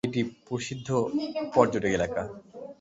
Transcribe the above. এটি একটি প্রসিদ্ধ পর্যটক এলাকা।